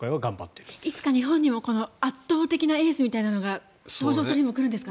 いつか日本にも圧倒的なエースが登場する日が来るんですかね。